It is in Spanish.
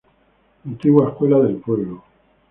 Antigua escuela del pueblo.